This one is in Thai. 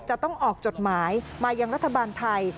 จะต้องออกจดหมายมายังรัฐบาลไทย